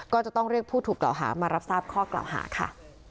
ก็จะต้องเรียกผู้ถูกกล่าวหามารับทราบข้อกล่าวหาค่ะ